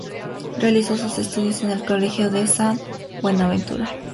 Realizó sus estudios en el colegio San Buenaventura.